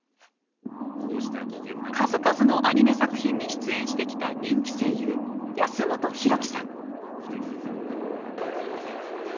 数々のアニメ作品に出演してきた人気声優安元洋貴さん。